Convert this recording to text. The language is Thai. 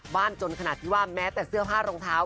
จนขนาดที่ว่าแม้แต่เสื้อผ้ารองเท้า